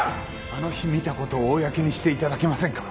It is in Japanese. あの日見た事を公にして頂けませんか？